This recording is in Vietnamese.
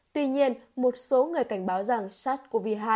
tuy nhiên một số người cảnh báo rằng sars cov hai